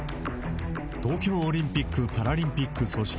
東京オリンピック・パラリンピック組織